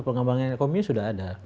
pengembangan komi sudah ada